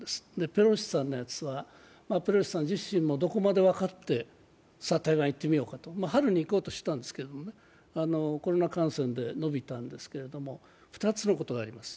ペロシさんのやつは、ペロシさん自身もどこまで分かって台湾に行こうとしてるのか春に行こうとしていたんですけど、コロナ感染で延びたんですけども、２つのことがあります。